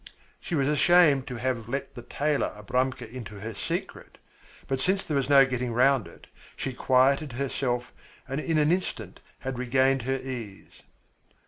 She was ashamed to have to let the tailor Abramka into her secret, but since there was no getting around it, she quieted herself and in an instant had regained her ease.